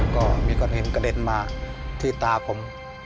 ก็มีคนเห็นกระเด็นมาที่ตาผม